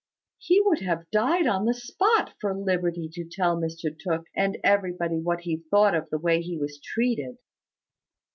He would have died on the spot for liberty to tell Mr Tooke and everybody what he thought of the way he was treated.